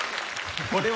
これは。